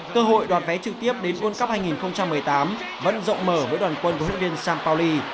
cơ hội đoạt vé trực tiếp đến world cup hai nghìn một mươi tám vẫn rộng mở với đoàn quân của huyện viên sampaoli